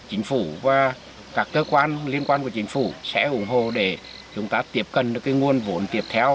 chính phủ và các cơ quan liên quan của chính phủ sẽ ủng hộ để chúng ta tiếp cận được nguồn vốn tiếp theo